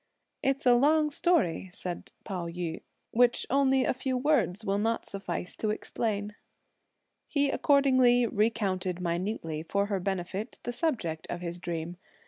"It's a long story," said Pao yü, "which only a few words will not suffice to explain." He accordingly recounted minutely, for her benefit, the subject of his dream.